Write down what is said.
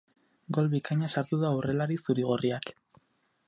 Gol bikaina sartu du aurrelari zuri-gorriak.